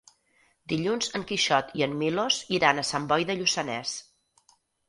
Dilluns en Quixot i en Milos iran a Sant Boi de Lluçanès.